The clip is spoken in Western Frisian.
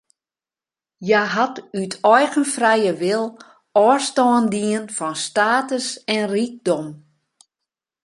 Hja hat út eigen frije wil ôfstân dien fan status en rykdom.